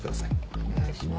お願いします。